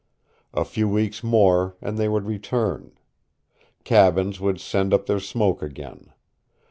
A few weeks more and they would return. Cabins would send up their smoke again.